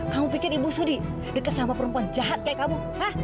kamu pikir ibu sudi dekat sama perempuan jahat kayak kamu